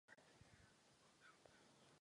Někdy se za jejího autora považuje Lewis Carroll.